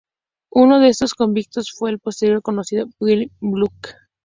Uno de estos convictos fue el posteriormente conocido William Buckley.